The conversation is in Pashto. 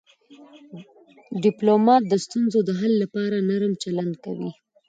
ډيپلومات د ستونزو د حل لپاره نرم چلند کوي.